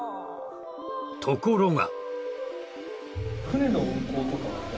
ところが。